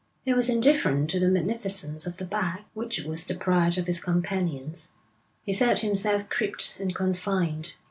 He was indifferent to the magnificence of the bag, which was the pride of his companions. He felt himself cribbed and confined.